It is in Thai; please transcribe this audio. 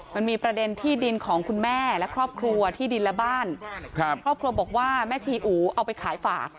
มันมีประเด็นที่ดินของคุณแม่และครอบครัวที่ดินและบ้านครอบครัวบอกว่าแม่ชีอู๋เอาไปขายฝาก